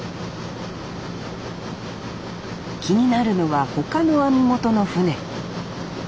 気になるのは他の網元の船